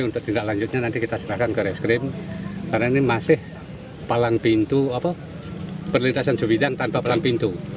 untuk tindak lanjutnya nanti kita serahkan ke reskrim karena ini masih palang pintu perlintasan jubidan tanpa palang pintu